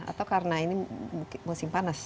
atau karena ini musim panas